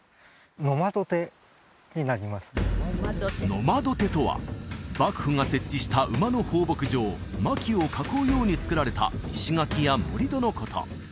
野馬土手とは幕府が設置した馬の放牧場牧を囲うように造られた石垣や盛り土のこと